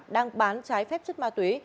đang bán trái phép chất ma túy